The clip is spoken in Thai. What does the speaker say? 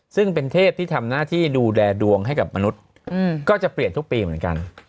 ซึ่งเป็นเทพที่ทำหน้าที่ดูแลดวงให้กับมนุษย์ก็จะเปลี่ยนทุกปีเหมือนกัน